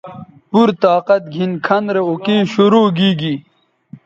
پورطاقت گھن کھن رے اوکئ شرو گیگی